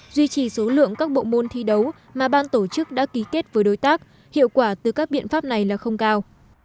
duy trì số lượng các bộ môn thi đấu mà ban tổ chức đã ký kết với đối tác hiệu quả từ các biện pháp này là không cao